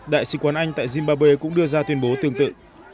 đại sứ quán anh tại zimbabwe cũng đưa ra tuyên bố tương tự